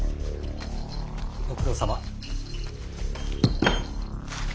ご苦労さま。